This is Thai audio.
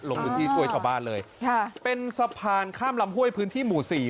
ลงพื้นที่ช่วยชาวบ้านเลยค่ะเป็นสะพานข้ามลำห้วยพื้นที่หมู่สี่